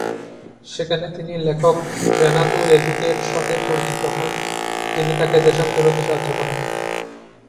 সেখানে তিনি লেখক রেনাতো লেদুকের সাথে পরিচিত হন, যিনি তাকে দেশান্তরী হতে সাহায্য করেন।